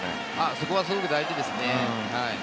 そこはすごく大事ですね。